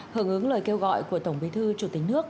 hưởng ứng lời kêu gọi của tổng bí thư chủ tịch nước